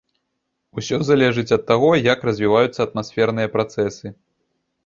Усё залежыць ад таго, як развіваюцца атмасферныя працэсы.